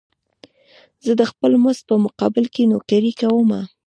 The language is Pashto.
زه د خپل مزد په مقابل کې نوکري کومه.